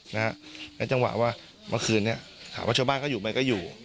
ในจังหวะว่าเมื่อคืนนี้หาว่าชาวบ้านก็อยู่เมื่อก็อยู่